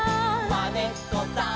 「まねっこさん」